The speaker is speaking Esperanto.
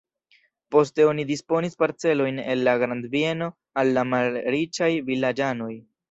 Poste oni disdonis parcelojn el la grandbieno al la malriĉaj vilaĝanoj.